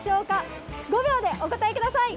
５秒でお答え下さい！